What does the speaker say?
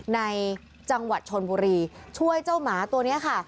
ในจังหวัดชนบุรีช่วยเจ้าหมาตัวนี้ค่ะ